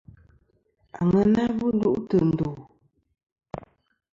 Àŋena bu duʼ tɨ̀ ndù.